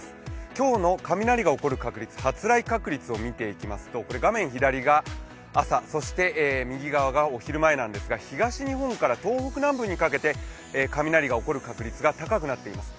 今日の雷が起きる確率発雷確率を見ていきますと、画面左が朝、右側がお昼前なんですが、東日本から東北南部にかけて雷が起こる確率が高くなっています。